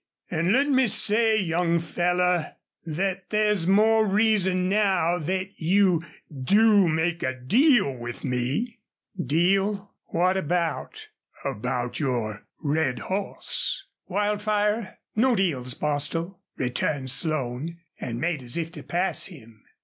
An' let me say, young feller, thet there's more reason now thet you DO make a deal with me." "Deal? What about?" "About your red hoss." "Wildfire! ... No deals, Bostil," returned Slone, and made as if to pass him.